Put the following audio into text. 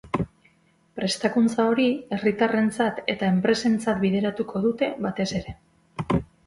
Prestakuntza hori, herritarrentzat eta enpresentzat bideratuko dute, batez ere.